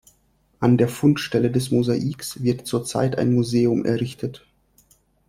An der Fundstelle des Mosaiks wird zurzeit ein Museum errichtet.